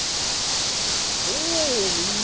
おおみんな！